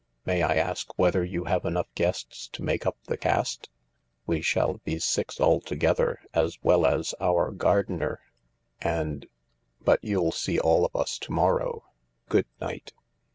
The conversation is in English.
May I ask whether you have enough guests to make up the caste ?"" We shall be six altogether, as well as our gardener, and — but you'll see us all to morrow. Good night."